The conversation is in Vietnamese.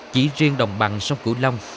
chỉ riêng đồng bằng sông cửu long